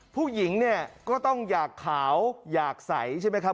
ผู้หญิงเนี่ยก็ต้องอยากขาวอยากใสใช่ไหมครับ